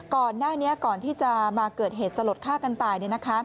ก่อนหน้านี้ก่อนที่จะมาเกิดเหตุสลดฆ่ากันตาย